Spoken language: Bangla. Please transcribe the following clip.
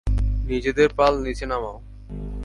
নিজেদের পাল নীচে নামাও!